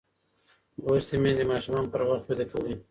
لوستې میندې ماشومان پر وخت ویده کوي.